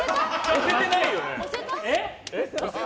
押せてないよね。